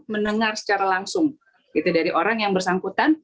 mendengar secara langsung gitu dari orang yang bersangkutan